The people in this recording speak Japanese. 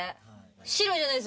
白じゃないです。